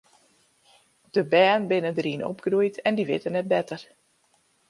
De bern binne dêryn opgroeid en dy witte net better.